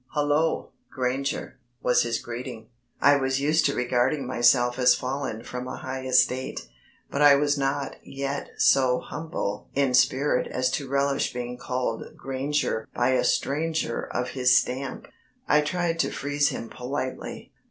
"Hullo, Granger," was his greeting. I was used to regarding myself as fallen from a high estate, but I was not yet so humble in spirit as to relish being called Granger by a stranger of his stamp. I tried to freeze him politely.